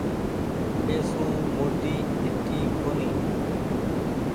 اي سون موٽي هيتي ڪونيٚ۔